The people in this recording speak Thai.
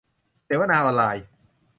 เสวนาออนไลน์